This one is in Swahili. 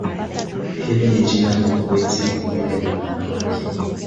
Hili ni jina la kuenzi umbile la wanawake